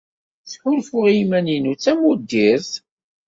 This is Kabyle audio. Ttḥulfuɣ i yiman-inu d tamuddirt.